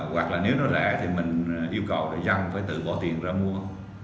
hoặc là nếu nó rẻ thì mình yêu cầu người dân phải tự bỏ tiền ra mua